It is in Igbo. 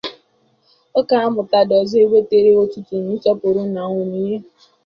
Ọkammụta Dozie nwetere ọtụtụ nsọpụrụ na onyinye.